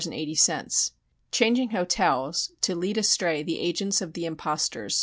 80 Changing hotels to lead astray the agents of the impostors ...........